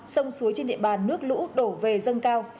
sông suối trên địa bàn nước lũ đổ về dâng cao